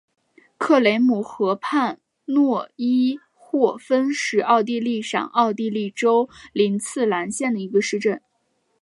克雷姆河畔诺伊霍芬是奥地利上奥地利州林茨兰县的一个市镇。